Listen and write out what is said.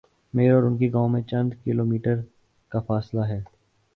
میرے اور ان کے گاؤں میں چند کلو میٹرکا فاصلہ ہے۔